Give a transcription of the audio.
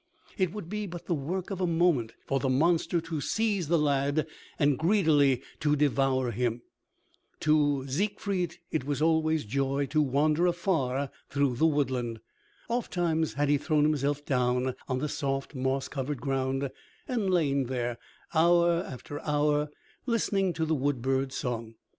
It would be but the work of a moment for the monster to seize the lad and greedily to devour him. To Siegfried it was always joy to wander afar through the woodland. Ofttimes had he thrown himself down on the soft, moss covered ground and lain there hour after hour, listening to the wood bird's song.